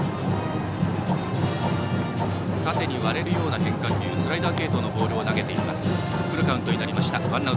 縦に割れるような変化球スライダー系統のボールを投げています。